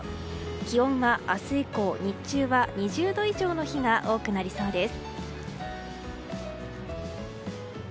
気温は明日以降、日中は２０度以上の日が多くなりそうです。